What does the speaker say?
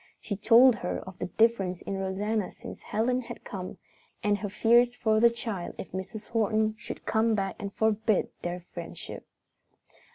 She told her of the difference in Rosanna since Helen had come, and her fears for the child if Mrs. Horton should come back and forbid their friendship.